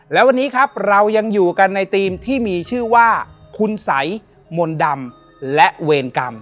และวันนี้ครับเรายังอยู่กันในทีมที่มีชื่อว่าคุณสัยมนต์ดำและเวรกรรม